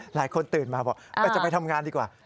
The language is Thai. ตื่นมาบอกจะไปทำงานดีกว่า